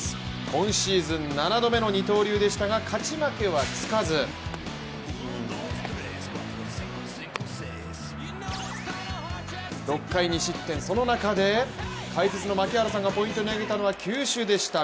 今シーズン、７度目の二刀流でしたが、勝ち負けはつかず６回２失点、その中で解説の槙原さんがポイントに挙げたのは球種でした。